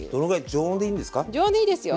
常温でいいですよ。